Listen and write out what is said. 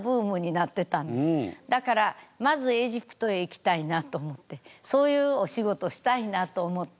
だからまずエジプトへ行きたいなと思ってそういうお仕事したいなと思って。